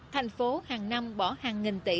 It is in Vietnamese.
thành phố hàng năm bỏ hàng nghìn tỷ